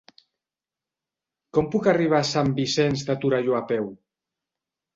Com puc arribar a Sant Vicenç de Torelló a peu?